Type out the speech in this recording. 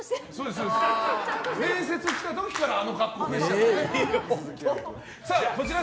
面接来た時からあの格好でしたから。